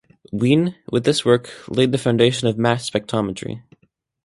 Wien, with this work, laid the foundation of mass spectrometry.